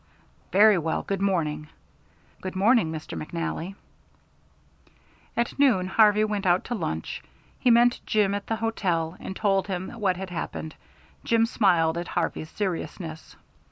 "Very well; good morning." "Good morning, Mr. McNally." At noon Harvey went out to lunch. He met Jim at the hotel, and told him what had happened. Jim smiled at Harvey's seriousness.